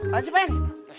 pak ancik peng